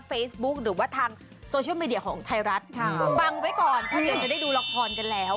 ฟังไว้ก่อนถ้าเกิดจะได้ดูละครกันแล้ว